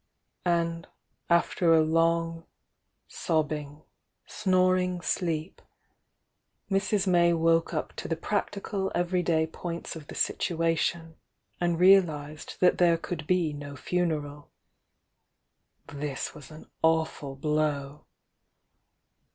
And, after a long, sobbing, snoring sleep, Mrs. May woke up to the practical 3very day points of the situation and realised that there could be no funeral. This was an awful blow!